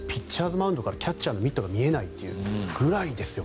マウンドからキャッチャーのミットが見えないというぐらいですよ。